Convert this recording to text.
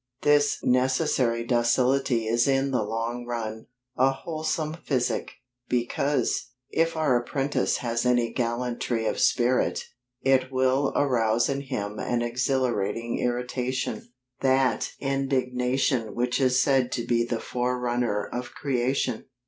This necessary docility is in the long run, a wholesome physic, because, if our apprentice has any gallantry of spirit, it will arouse in him an exhilarating irritation, that indignation which is said to be the forerunner of creation.